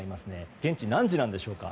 現地何時なんでしょうか。